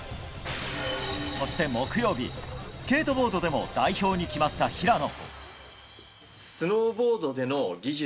そして木曜日スケートボードでも代表に決まった平野。